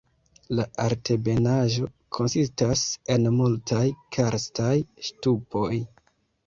La altebenaĵo konsistas en multaj karstaj ŝtupoj.